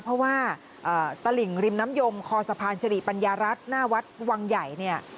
เพราะว่าตลิ่งริมน้ำยมคอสะพานสิริปัญญารัฐหน้าวัดวังใหญ่เนี่ย